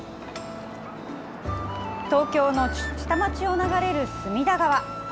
東京の下町を流れる隅田川。